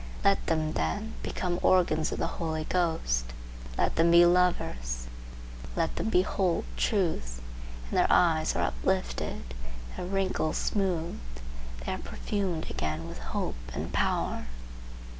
Let them, then, become organs of the Holy Ghost; let them be lovers; let them behold truth; and their eyes are uplifted, their wrinkles smoothed, they are perfumed again with hope and power.